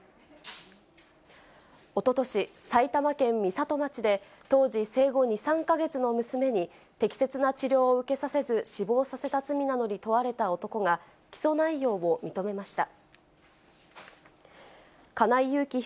おととし、埼玉県美里町で、当時生後２、３か月の娘に適切な治療を受けさせず、死亡させた罪などに問われた男が、起訴内容を認めました。